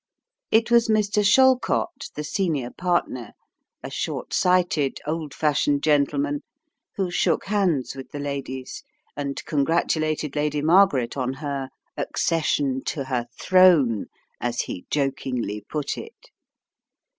It was Mr. Shallcott, the senior partner, a short sighted old fashioned gentleman who shook hands with the ladies and congratulated Lady Margaret on her "accession to her throne," as he jokingly put it.